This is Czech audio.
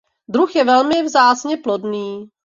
Druh je velmi vzácně plodný.